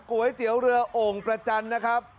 ก๋วยเตี๋ยวเรือโอ่งประจันทร์นะครับ